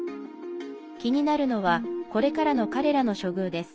気になるのはこれからの彼らの処遇です。